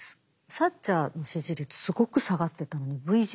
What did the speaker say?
サッチャーの支持率すごく下がってたのにＶ字回復。